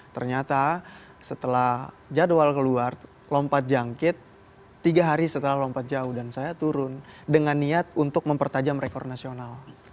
ternyata setelah jadwal keluar lompat jangkit tiga hari setelah lompat jauh dan saya turun dengan niat untuk mempertajam rekor nasional